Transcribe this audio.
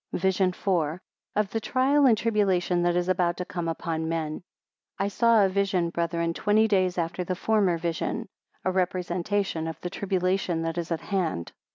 VISION IV. Of the trial, and tribulation that is about to come upon men. I SAW a vision brethren, twenty days after the former vision; a representation of the tribulation that is at hand.